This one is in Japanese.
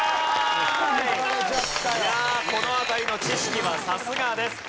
いやあこの辺りの知識はさすがです。